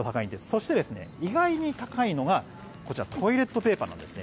そして、意外に高いのがこちらトイレットペーパーなんです。